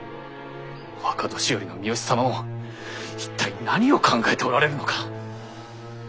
若年寄の三好様も一体何を考えておられるのか。